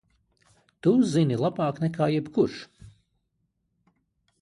Tu zini labāk nekā jebkurš!